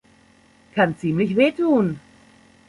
Kann ziemlich weh tun.